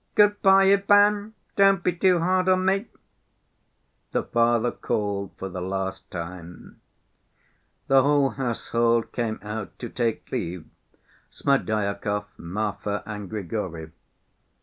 "Good‐by, Ivan! Don't be too hard on me!" the father called for the last time. The whole household came out to take leave—Smerdyakov, Marfa and Grigory.